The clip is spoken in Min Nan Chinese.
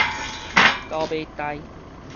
狗尾秮